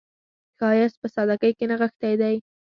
ښایست په سادګۍ کې نغښتی دی